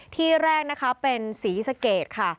ที่แรกนะคะเป็นศรีสะเกดค่ะ